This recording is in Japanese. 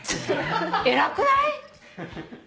偉くない？